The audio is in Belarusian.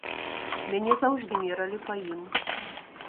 Мяне заўжды мералі па ім.